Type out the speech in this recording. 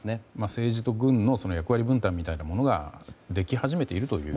政治と軍の役割分担みたいなものができ始めているという。